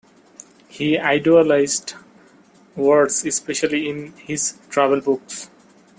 He idolised words, especially in his travel books.